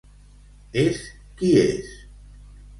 És qui és.